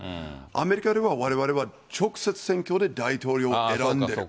アメリカではわれわれは直接選挙で大統領を選んでる。